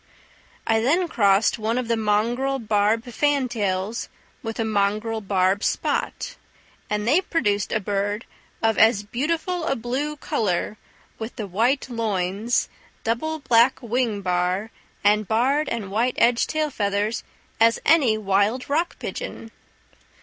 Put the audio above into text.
I then crossed one of the mongrel barb fantails with a mongrel barb spot, and they produced a bird of as beautiful a blue colour, with the white loins, double black wing bar, and barred and white edged tail feathers, as any wild rock pigeon!